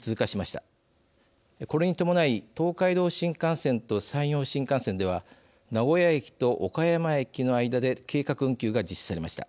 これに伴い東海道新幹線と山陽新幹線では名古屋駅と岡山駅の間で計画運休が実施されました。